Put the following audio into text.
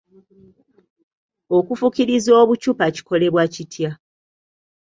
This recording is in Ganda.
Okufukiriza obuccupa kikolebwa kitya?